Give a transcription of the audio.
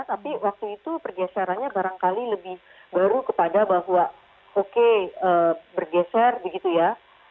tapi waktu itu pergeserannya barangkali lebih baru kepada bahwa oke bergeser begitu ya